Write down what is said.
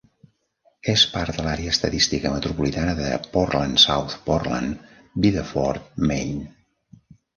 És part de l'àrea estadística metropolitana de Portland-South Portland-Biddeford, Maine.